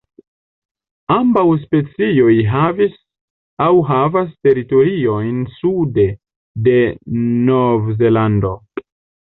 Ambaŭ specioj havis aŭ havas teritoriojn sude de Novzelando.